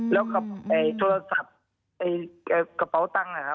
แล้วกับโทรศัพท์กระเป๋าตังค์นะครับ